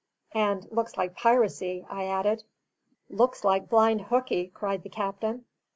"And looks like piracy," I added. "Looks like blind hookey!" cried the captain.